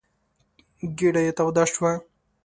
ګېډه يې توده شوه.